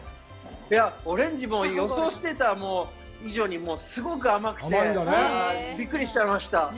オレンジも予想してた以上にすごく甘くてびっくりしちゃいました。